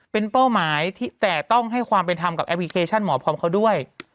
เป็นเป้าหมายแต่ต้องให้ความเป็นธรรมกับแอปพลิเคชันหมอพร้อมเขาด้วย